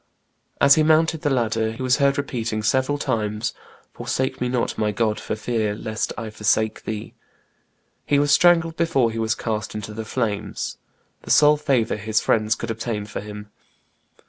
As he mounted the ladder he was heard repeating several times, "Forsake me not, my God, for fear lest I forsake thee." He was strangled before he was cast into the flames (De Thou, t. iii. pp. 399 402), the sole favor his friends could obtain for him.